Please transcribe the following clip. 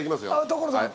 所さん。